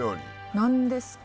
何ですか？